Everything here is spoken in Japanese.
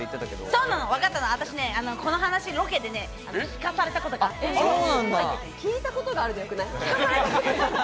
そうなの、この話ロケで聞かされたことがあって。聞いたことがあるってよくない。